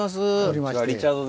リチャードです。